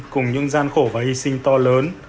cùng những gian khổ và hy sinh to lớn